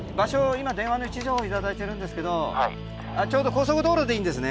今電話の位置情報頂いてるんですけどちょうど高速道路でいいんですね？